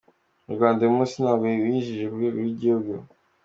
Mu Rwanda uyu munsi ntabwo wizihijwe ku rwego rw’igihugu.